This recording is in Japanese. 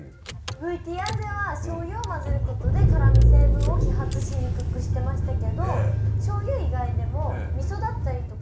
ＶＴＲではしょうゆを混ぜることで辛み成分を揮発しにくくしてましたけどしょうゆ以外でもみそだったりとか。